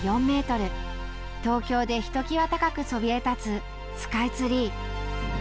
東京で、ひときわ高くそびえ立つスカイツリー。